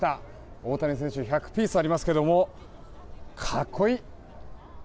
大谷選手１００ピースありますが格好いい！